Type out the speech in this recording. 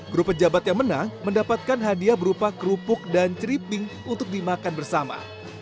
grup pejabat yang menang mendapatkan hadiah berupa kerupuk dan ceriping untuk dimakan bersama